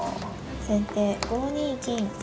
先手５二金。